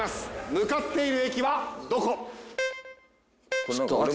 向かっている駅はどこ？